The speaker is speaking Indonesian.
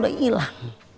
tau tau udah ilang